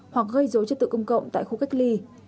hoặc gây dối trật tự công cộng tại khu cách ly